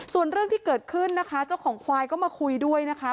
ส่วนเรื่องที่เกิดขึ้นนะคะเจ้าของควายก็มาคุยด้วยนะคะ